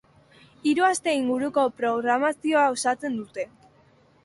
Hiru aste inguruko programazioa osatzen dute.